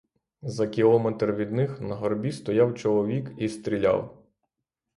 За кілометр від них на горбі стояв чоловік і стріляв.